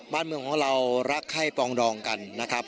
บ้านเมืองของเรารักไข้ปองดองกันนะครับ